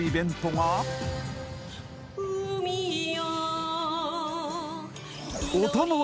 海よ